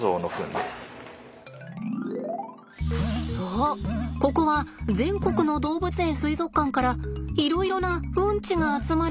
そうここは全国の動物園水族館からいろいろなウンチが集まる研究室です。